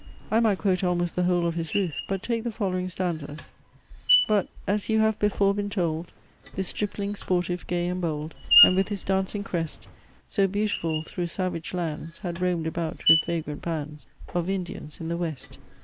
I might quote almost the whole of his RUTH, but take the following stanzas: But, as you have before been told, This Stripling, sportive, gay, and bold, And, with his dancing crest, So beautiful, through savage lands Had roamed about with vagrant bands Of Indians in the West.